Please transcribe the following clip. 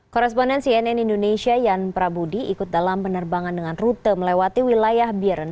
korrespondensi nn indonesia jan prabudi ikut dalam penerbangan dengan rute melewati wilayah biren